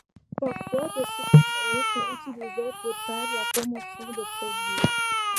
Parfois des super-héros sont utilisés pour faire la promotion de produits.